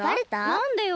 なんでよ？